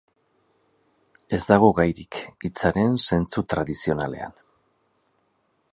Ez dago gairik, hitzaren zentzu tradizionalean.